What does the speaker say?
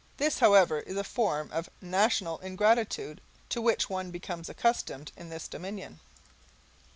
This, however, is a form of national ingratitude to which one becomes accustomed in this Dominion.